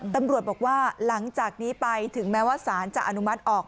ตำรวจบอกว่าหลังจากนี้ไปถึงแม้ว่าสารจะอนุมัติออก